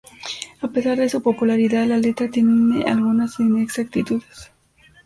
A pesar de su popularidad, la letra tiene algunas inexactitudes.